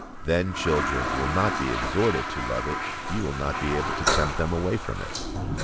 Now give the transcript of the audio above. Then children will not be exhorted to love it; you will not be able to tempt them away from it.